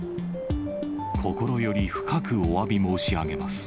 心より深くおわび申し上げます。